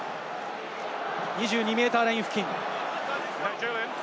２２ｍライン付近。